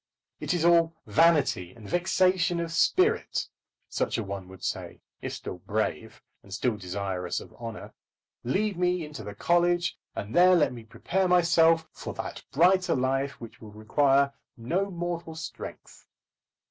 "It is all vanity and vexation of spirit," such a one would say, if still brave, and still desirous of honour. "Lead me into the college, and there let me prepare myself for that brighter life which will require no mortal strength."